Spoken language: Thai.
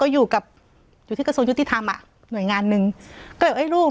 อยู่กับอยู่ที่กระทรวงยุติธรรมอ่ะหน่วยงานหนึ่งก็เลยเอ้ยลูก